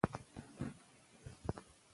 هغه وویل چې د پوهې په رڼا کې دښمني له منځه ځي.